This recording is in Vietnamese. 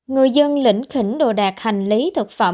người dân lĩnh khỉnh đồ đạc hành lý thực phẩm